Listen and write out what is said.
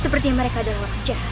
seperti mereka adalah orang jahat